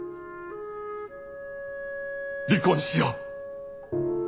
離婚しよう。